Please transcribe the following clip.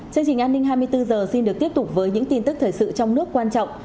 chương trình an ninh hai mươi bốn h xin được tiếp tục với những tin tức thời sự trong nước quan trọng